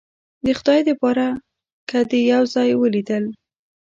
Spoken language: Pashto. د خدای د پاره که دې یو ځای ولیدل